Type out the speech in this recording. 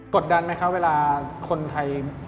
ดดันไหมคะเวลาคนไทย